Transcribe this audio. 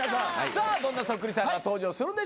さあどんなそっくりさんが登場するのか。